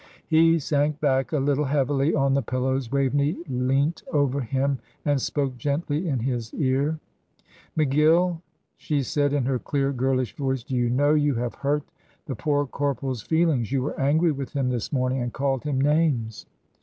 He sank back a little heavily on the pillows. Waveney leant over him and spoke gently in his ear. "McGill," she said, in her clear, girlish voice, "do you know you have hurt the poor corporal's feelings. You were angry with him this morning, and called him names."